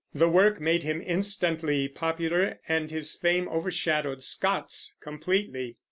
The work made him instantly popular, and his fame overshadowed Scott's completely.